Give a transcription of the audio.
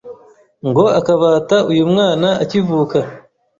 ngo akabata uyu mwana akivuka,